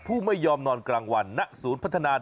ผู้ไม่ยอมนอนกลางวันณศูนย์พัฒนา